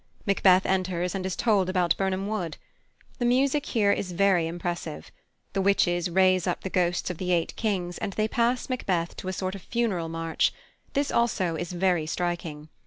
Macbeth enters and is told about Birnam Wood. The music here is very impressive. The Witches raise up the ghosts of the eight kings, and they pass Macbeth to a sort of funeral march; this also is very striking.